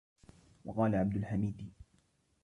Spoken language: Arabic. وَقَالَ عَبْدُ الْحَمِيدِ